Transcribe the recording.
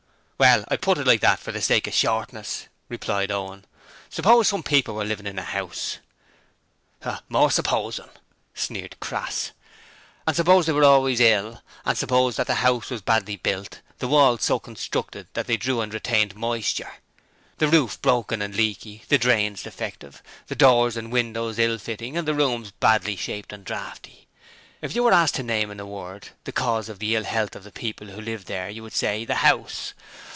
'Well, I put it like that for the sake of shortness,' replied Owen. 'Suppose some people were living in a house ' 'More supposin'!' sneered Crass. 'And suppose they were always ill, and suppose that the house was badly built, the walls so constructed that they drew and retained moisture, the roof broken and leaky, the drains defective, the doors and windows ill fitting and the rooms badly shaped and draughty. If you were asked to name, in a word, the cause of the ill health of the people who lived there you would say the house.